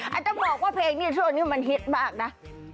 อาจจะบอกว่าเพลงนี้ช่วงนี้มันฮิตมากนะ